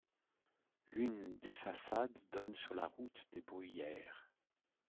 L'une des façades donne sur la route des Bruyères.